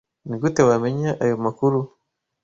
Nigute wamenye ayo makuru?